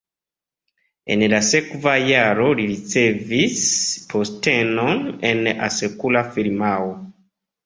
En la sekva jaro li ricevis postenon en asekura firmao.